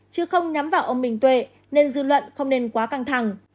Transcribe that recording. chứ không nhắm vào ông minh tuệ nên dư luận không nên quá căng thẳng